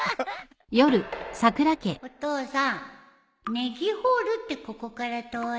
お父さんネギホールってここから遠い？